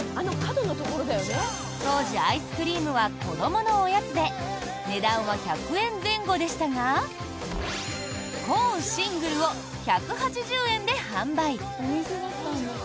当時、アイスクリームは子どものおやつで値段は１００円前後でしたがコーン・シングルを１８０円で販売。